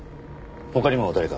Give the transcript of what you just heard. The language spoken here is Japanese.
他にも誰か？